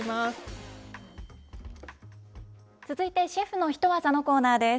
続いてシェフのヒトワザのコーナーです。